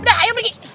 udah ayo pergi